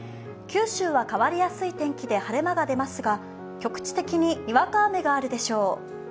九州は変わりやすい天気で晴れ間が出ますが、局地的ににわか雨があるでしょう。